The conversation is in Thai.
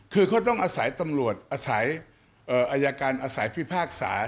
คือเขาต้องอาศัยตำรวจอาศัยอายการอาศัยพิพากษา